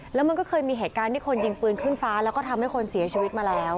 แล้วมันก็เคยมีเหตุการณ์ที่คนยิงปืนขึ้นฟ้าแล้วก็ทำให้คนเสียชีวิตมาแล้ว